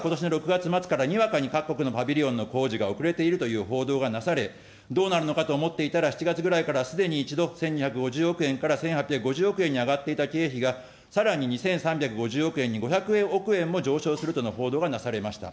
これはことしの６月末からにわかに各国のパビリオンの工事が遅れているという報道がなされ、どうなるのかと思っていたら、７月ぐらいからすでに１度、１２５０億円から１８５０億円に上がっていた経費が、さらに２３５０億円に、５００億円も上昇するとの報道がなされました。